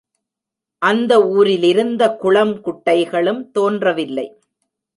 அந்த ஊரிலிருந்த குளம் குட்டைகளும் தோன்றவில்லை.